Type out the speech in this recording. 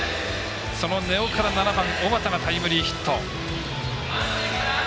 その根尾から７番、小幡がタイムリーヒット。